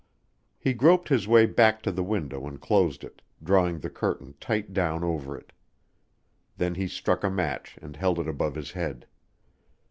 He groped his way back to the window and closed it, drawing the curtain tight down over it. Then he struck a match and held it above his head.